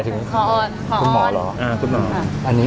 อยู่คนเดียวเนี่ย